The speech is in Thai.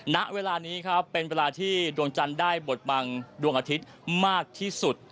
ณเวลานี้ครับเป็นเวลาที่ดวงจันทร์ได้บทบังดวงอาทิตย์มากที่สุด